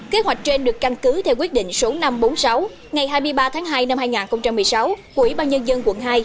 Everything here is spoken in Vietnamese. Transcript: kế hoạch trên được căn cứ theo quyết định số năm trăm bốn mươi sáu ngày hai mươi ba tháng hai năm hai nghìn một mươi sáu của ủy ban nhân dân quận hai